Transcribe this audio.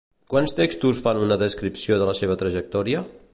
Quants textos fan una descripció de la seva trajectòria?